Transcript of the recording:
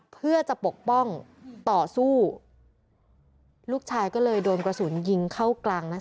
เพื่อจะปกป้องต่อสู้ลูกชายก็เลยโดนกระสุนยิงเข้ากลางนะคะ